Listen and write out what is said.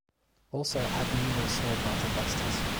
Also it had numerous small-part investors.